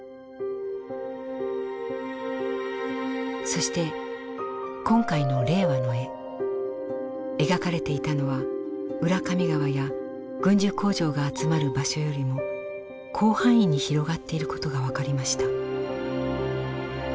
そして今回の令和の絵描かれていたのは浦上川や軍需工場が集まる場所よりも広範囲に広がっていることが分かりました。